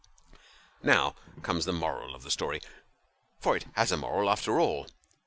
Now conies the moral of the story for it has a moral after all.